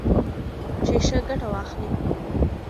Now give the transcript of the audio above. چې ښه ګټه واخلئ.